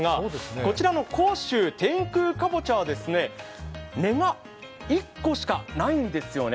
こちらの甲州天空かぼちゃは根が１個しかないんですよね、